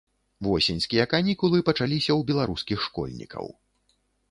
Восеньскія канікулы пачаліся ў беларускіх школьнікаў.